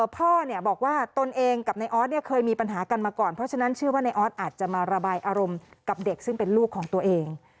พ่อบอกว่าตนเองกับนายออสเนี่ยเคยมีปัญหากันมาก่อนเพราะฉะนั้นเชื่อว่าในออสอาจจะมาระบายอารมณ์กับเด็กซึ่งเป็นลูกของตัวเอง